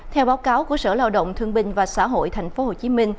theo báo cáo của sở lao động thương binh và xã hội tp hcm